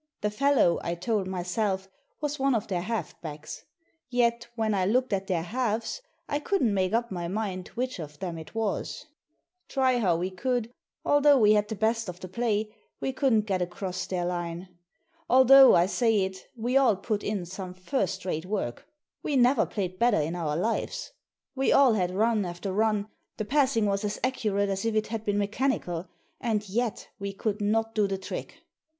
The fellow, I told myself, was one of their half backs. Yet, when I looked at their halves, I couldn't make up my mind which of them it was. Try how we could — although we had the best of Digitized by VjOOQIC 154 THE SEEN AND THE UNSEEN the play — we couldn't get across their line. Although I say it; we all put in some first rate work. We never played better in our lives. We all had run after run, the passing was as accurate as if it had been mechanical, and yet we could not do the trick.